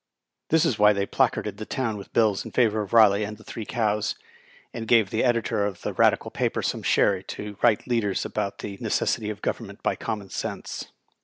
This is why they placarded the town with bills in favor of RUey and the three cows, and gave Digitized by VjOOQIC 162 BILET, M.P. the editor of the Eadical paper some Bherry to write leaders about the necessity of government by common sense.